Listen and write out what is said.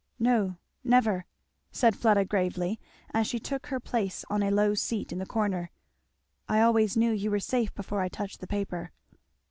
"No never," said Fleda gravely, as she took her place on a low seat in the corner, "I always knew you were safe before I touched the paper."